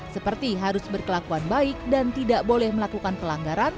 seperti harus berkelakuan baik dan tidak boleh melakukan pelanggaran